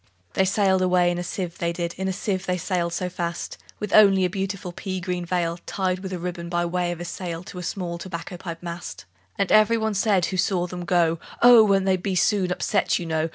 II. They sailed away in a sieve, they did, In a sieve they sailed so fast, With only a beautiful pea green veil Tied with a ribbon, by way of a sail, To a small tobacco pipe mast. And every one said who saw them go, "Oh! won't they be soon upset, you know?